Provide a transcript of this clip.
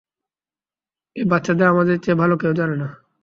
এই বাচ্চাদের আমার চেয়ে ভালো কেউ জানে না।